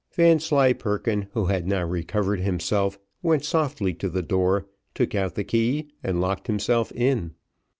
Vanslyperken, who had now recovered himself, went softly to the door, took out the key and locked himself in.